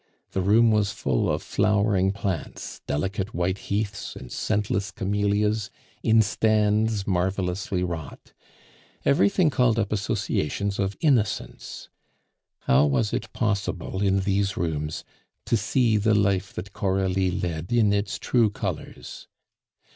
The room was full of flowering plants, delicate white heaths and scentless camellias, in stands marvelously wrought. Everything called up associations of innocence. How was it possible in these rooms to see the life that Coralie led in its true colors?